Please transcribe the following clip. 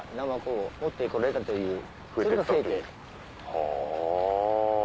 はぁ。